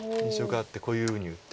こういうふうに打って。